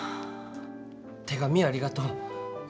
手紙ありがとう。